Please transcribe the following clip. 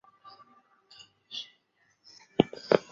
小臭鼩为鼩鼱科臭鼩属的动物。